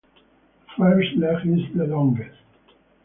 The first leg is the longest.